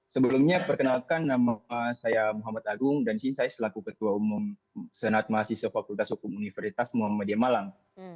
sebelumnya perkenalkan nama saya muhammad agung dan saya selaku ketua umum senat mahasiswa fakultas hukum universitas muhammadiyah malang